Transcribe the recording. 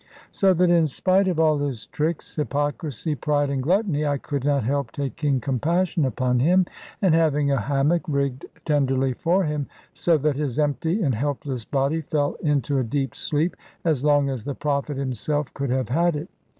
So that in spite of all his tricks, hypocrisy, pride, and gluttony, I could not help taking compassion upon him, and having a hammock rigged tenderly for him, so that his empty and helpless body fell into a deep sleep as long as the prophet himself could have had it.